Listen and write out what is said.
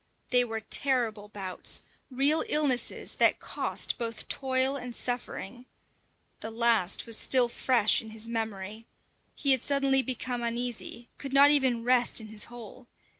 They were terrible bouts, real illnesses that cost both toil and suffering. The last was still fresh in his memory. He had suddenly become uneasy, could not even rest in his hole.